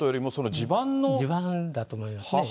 地盤だと思いますね。